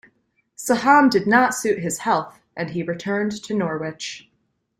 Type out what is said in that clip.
Saham did not suit his health, and he returned to Norwich.